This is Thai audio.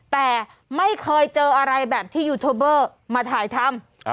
แต่ไม่เคยเจออะไรแบบที่ยูทูบเบอร์มาถ่ายทำ